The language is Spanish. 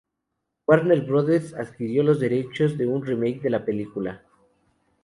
Warner Brothers adquirió los derechos de un remake de la película.